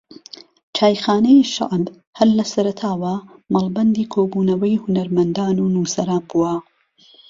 چایخانەی شەعب ھەر لە سەرەتاوە مەڵبەندی کۆبونەوەی ھونەرمەندان و نووسەران بووە